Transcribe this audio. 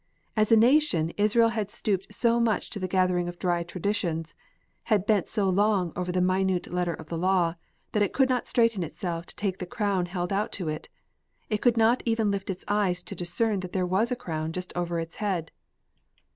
As a nation, Israel had stooped so much to the gathering of dry traditions, had bent so long over the minute letter of the law, that it could not straighten itself to take the crown held out to it. It could not even lift its eyes to discern that there was a crown just over its head."